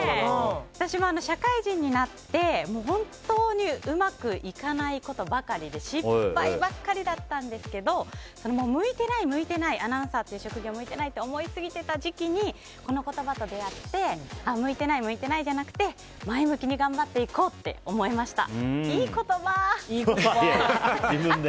私も、社会人になって本当にうまくいかないことばかりで失敗ばっかりだったんですけど向いてない、向いてないアナウンサーって職業が向いてないって思いすぎてた時期にこの言葉と出会って向いてない、向いてないじゃなくて、前向きに頑張っていこうって思いました。